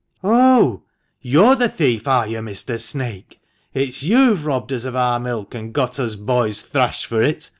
"Oh! you're the thief, are you, Mr. Snake? It's you've robbed us of our milk, and got us boys thrashed for it!"